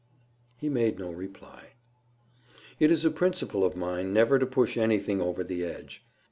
He made no reply. It is a principle of mine never to push anything over the edge.